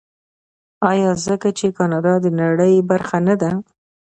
آیا ځکه چې کاناډا د نړۍ برخه نه ده؟